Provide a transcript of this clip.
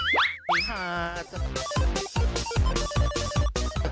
พี่พาส